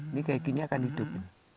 ini kayak gini akan hidup